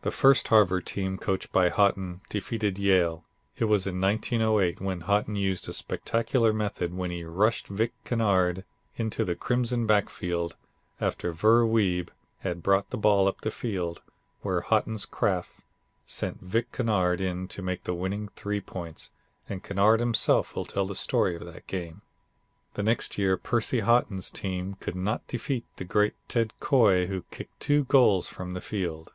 The first Harvard team coached by Haughton defeated Yale. It was in 1908 when Haughton used a spectacular method, when he rushed Vic Kennard into the Crimson backfield after Ver Wiebe had brought the ball up the field where Haughton's craft sent Vic Kennard in to make the winning three points and Kennard himself will tell the story of that game. The next year Percy Haughton's team could not defeat the great Ted Coy, who kicked two goals from the field.